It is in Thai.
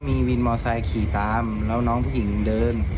มีวินมอไซค์ขี่ตามแล้วน้องผู้หญิงเดิน